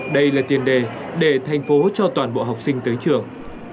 đây là tiền đề để thành phố cho toàn bộ học sinh tới trường